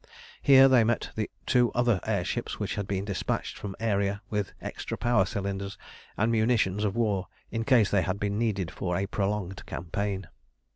Here they met the two other air ships which had been despatched from Aeria with extra power cylinders and munitions of war in case they had been needed for a prolonged campaign.